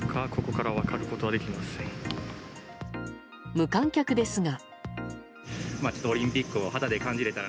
無観客ですが。